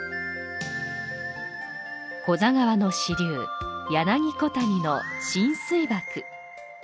古座川の支流、柳小谷の神水瀑。